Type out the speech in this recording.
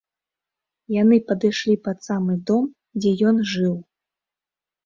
Яны падышлі пад самы дом, дзе ён жыў.